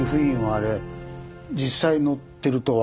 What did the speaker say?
「あれ？